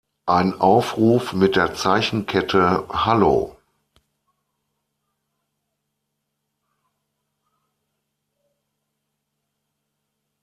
Ein Aufruf mit der Zeichenkette "Hallo!